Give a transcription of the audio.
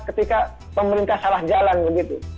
ketika pemerintah salah jalan begitu